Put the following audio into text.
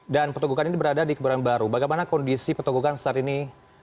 dan petogogan ini berada di keburan baru bagaimana kondisi petogogan saat ini